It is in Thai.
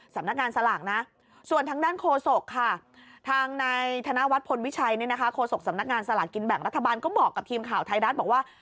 สำนักงานสลากกินแบ่งรัฐบาลก็บอกกับทีมข่าวไทยรัฐบอกว่า